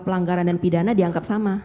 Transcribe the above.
pelanggaran dan pidana dianggap sama